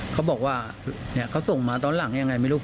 เขาบอกว่าเขาส่งมาตอนหลังยังไงไม่รู้